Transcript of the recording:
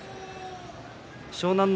湘南乃